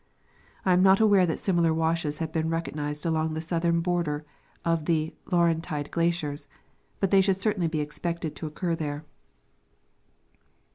I am not aware that similar washes have been recognized along the southern border of the Lauren tide glaciers, but they should certainly be expected to occur there.